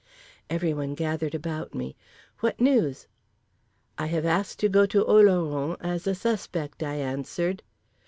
—Everyone gathered about me. "What news?" "I have asked to go to Oloron as a suspect," I answered.